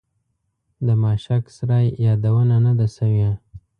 د ماشک سرای یادونه نه ده شوې.